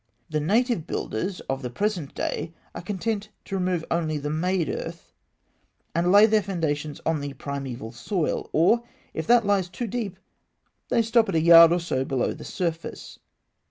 The native builders of the present day are content to remove only the made earth, and lay their foundations on the primeval soil; or, if that lies too deep, they stop at a yard or so below the surface.